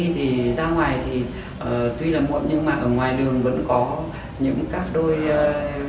thì ra ngoài thì tuy là muộn nhưng mà ở ngoài đường vẫn có những các đôi trai gái trẻ trung